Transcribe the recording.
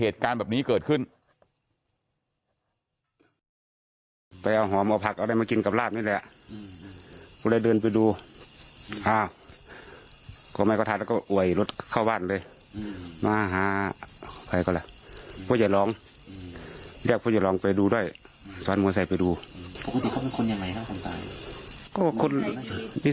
ถึงว่าอย่าร้องเอาก็ไปดูด้วยสอนมอไซค์ไปดูคนอย่าง